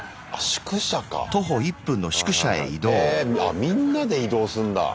みんなで移動すんだ。